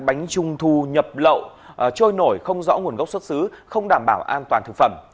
bánh trung thu nhập lậu trôi nổi không rõ nguồn gốc xuất xứ không đảm bảo an toàn thực phẩm